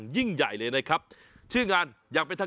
สุดยอดน้ำมันเครื่องจากญี่ปุ่น